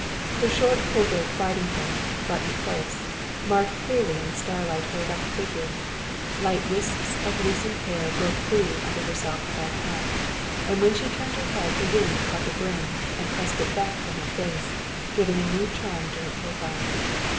Her short covert riding coat, buttoned close, marked clearly in the starlight her erect figure; light wisps of loosened hair broke free under her soft felt hat, and when she turned her head the wind caught the brim and pressed it back from her face, giving a new charm to her profile.